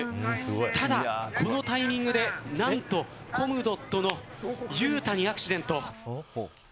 ただ、このタイミングで何とコムドットのゆうたにアクシデント。